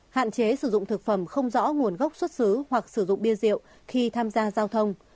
hạn chế sử dụng thực phẩm không rõ nguồn gốc xuất xứ hoặc sử dụng bia rượu khi tham gia giao thông